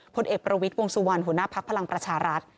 พลเอกประวิทย์วงสุวรรณหัวหน้าภักดิ์พลังประชารัฐ